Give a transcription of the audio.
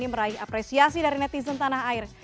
meraih apresiasi dari netizen tanah air